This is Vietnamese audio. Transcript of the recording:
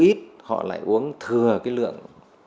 ít họ lại uống thừa cái lượng